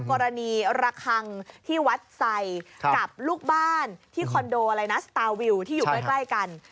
กรณีระคังที่วัดไซกับลูกบ้านที่คอนโดอะไรนะสตาร์วิวที่อยู่ใกล้กัน